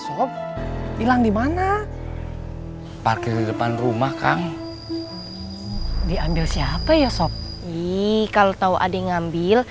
sop hilang dimana parkir depan rumah kang diambil siapa ya sob ih kalau tahu adik ngambil